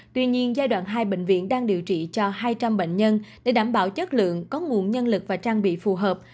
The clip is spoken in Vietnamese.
tuy nhiên giai đoạn hai bệnh viện đang điều trị cho hai trăm linh bệnh nhân để đảm bảo chất lượng có nguồn nhân lực và trang bị phù hợp